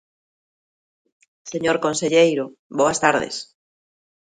Señor conselleiro, boas tardes.